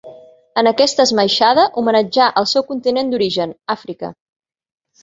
En aquesta esmaixada homenatjà al seu continent d'origen, Àfrica.